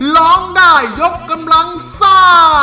ร้องได้ยกกำลังซ่า